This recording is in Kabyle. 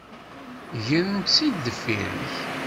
Grent-tt-id deffir-k.